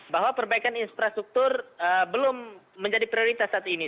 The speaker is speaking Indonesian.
bahwa perbaikan infrastruktur belum menjadi prioritas saat ini